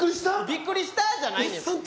「びっくりした」じゃないねん。